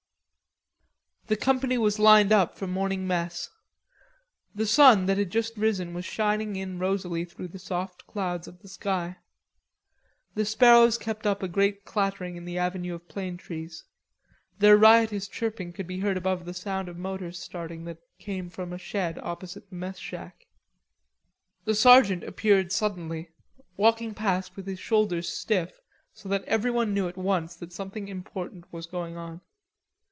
The company was lined up for morning mess. The sun that had just risen was shining in rosily through the soft clouds of the sky. The sparrows kept up a great clattering in the avenue of plane trees. Their riotous chirping could be heard above the sound of motors starting that came from a shed opposite the mess shack. The sergeant appeared suddenly; walking past with his shoulders stiff, so that everyone knew at once that something important was going on.